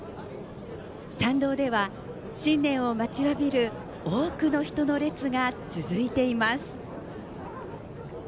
参道では新年を待ちわびる多くの人の列が続いています。